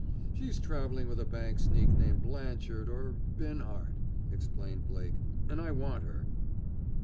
"She's traveling with a bank sneak named Blanchard or Binhart," explained Blake. "And I want her."